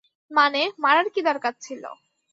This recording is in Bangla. মানে, মারার কি দরকার ছিল?